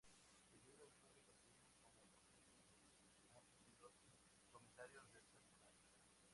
El libro incluye contenidos como bocetos de los personajes y los comentarios del personal.